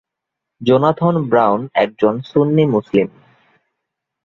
Jonathan Brown একজন সুন্নী মুসলিম।